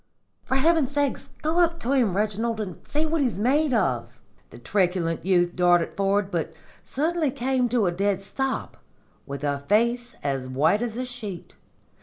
'For heaven's sake, go up to him, Reginald, and see what he's made of.' "The truculent youth darted forward, but suddenly came to a dead stop, with a face as white as a sheet.